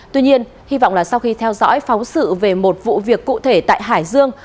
tuy nhiên hy vọng là sau khi theo dõi phóng sự về một vụ việc cụ thể tại hải dương